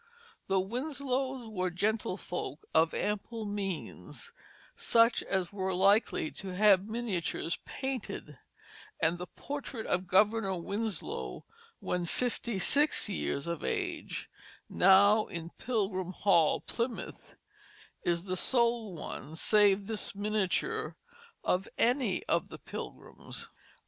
The Winslows were gentlefolk of ample means, such as were likely to have miniatures painted; and the portrait of Governor Winslow when fifty six years of age, now in Pilgrim Hall, Plymouth, is the sole one (save this miniature) of any of the Pilgrims.